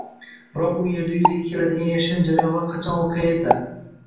Biroq u yerda yuzaga keladigan yashirin jarayonlar qachon va qayerda